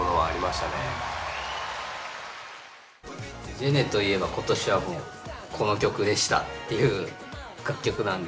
ＧＥＮＥといえば今年はこの曲でしたっていう楽曲なんで